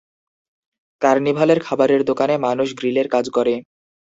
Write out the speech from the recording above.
কার্নিভালের খাবারের দোকানে মানুষ গ্রিলের কাজ করে।